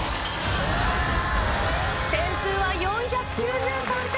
点数は４９３点。